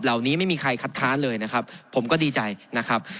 ไม่มีใครคัดค้านเลยนะครับผมก็ดีใจนะครับ